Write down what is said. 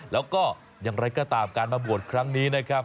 แล้วก็อย่างไรก็ตามการมาบวชครั้งนี้นะครับ